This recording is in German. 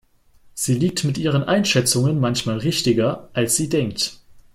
Sie liegt mit ihren Einschätzungen manchmal richtiger, als sie denkt.